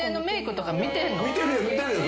見てるよ。